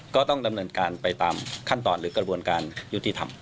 ก็ต้องดำเนินการไปตามขั้นตอนหรือกระบวนการยุติธรรม